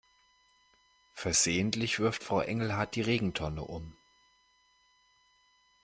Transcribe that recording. Versehentlich wirft Frau Engelhart die Regentonne um.